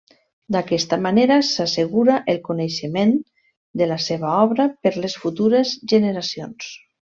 D'aquesta manera s'assegura el coneixement de la seva obra per les futures generacions.